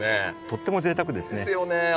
とってもぜいたくですね。ですよね。